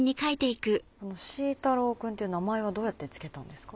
シー太郎くんっていう名前はどうやって付けたんですか？